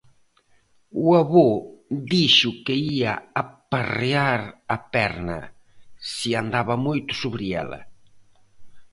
O avó dixo que ía aparrear a perna se andaba moito sobre ela.